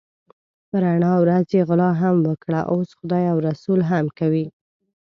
په رڼا ورځ یې غلا هم وکړه اوس خدای او رسول هم کوي.